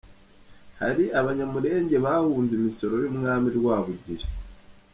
Hari Abanyamulenge bahunze imisoro y’Umwami Rwabugiri.